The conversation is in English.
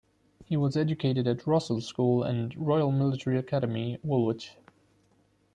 He was educated at Rossall School and Royal Military Academy, Woolwich.